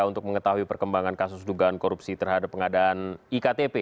untuk mengetahui perkembangan kasus dugaan korupsi terhadap pengadaan iktp